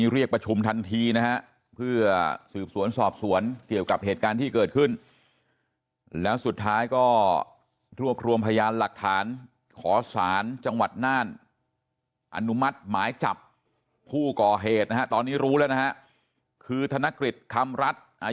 ระแวงกว่าเขามายิงซ้ำจนกว่ามานี่ซ้ำ